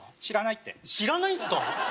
知らないって知らないんすか！？